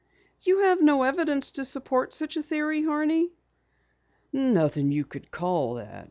"You have no evidence to support such a theory, Horney?" "Nothing you could call that.